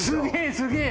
すげえ！」